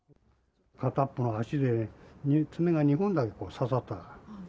片っぽの足で爪が２本だった、刺さった。